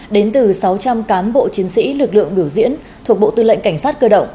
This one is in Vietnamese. đến từ sáu trăm linh cán bộ chiến sĩ lực lượng biểu diễn thuộc bộ tư lệnh cảnh sát cơ động